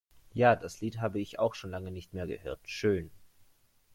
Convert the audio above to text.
Ja, das Lied habe ich auch schon lange nicht mehr gehört. Schön!